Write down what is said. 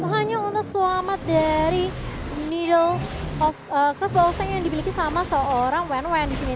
tuhannya untuk selamat dari crossbow of tank yang dibiliki sama seorang wen wen disini